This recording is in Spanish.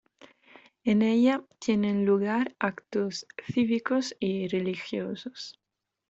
En ella tienen lugar actos cívicos y religiosos.